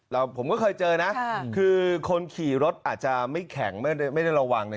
ผมก็เคยเจอนะคือคนขี่รถอาจจะไม่แข็งไม่ได้ระวังนะ